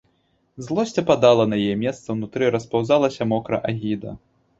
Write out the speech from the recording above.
Злосць ападала, на яе месца ўнутры распаўзалася мокра агіда.